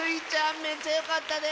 めっちゃよかったで！